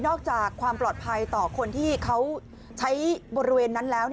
จากความปลอดภัยต่อคนที่เขาใช้บริเวณนั้นแล้ว